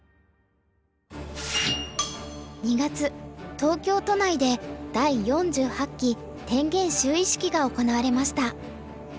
２月東京都内で第４８期天元就位式が行われました。